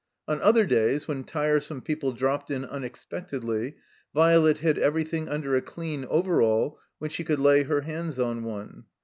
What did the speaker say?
On other days, when tiresome people dropped in tmexpectedly, Violet hid everything under a dean overall when she could lay her hands on one.